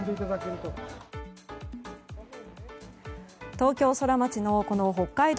東京ソラマチの北海道